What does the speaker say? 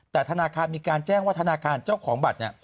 แต่ธนาคารมีการแจ้งว่าธนาคารเจ้าของบัตรเนี่ย